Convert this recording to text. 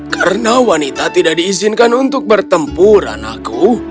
karena wanita tidak diizinkan untuk bertempuran aku